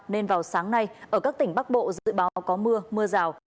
nên vào sáng nay ở các tỉnh bắc bộ dự báo có mưa mưa rào